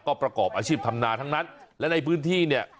ก็ประกอบอาชีพธรรมนาทั้งนั้นและในพื้นที่เนี่ย